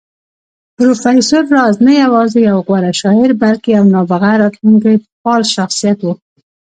پروفېسر راز نه يوازې يو غوره شاعر بلکې يو نابغه راتلونکی پال شخصيت و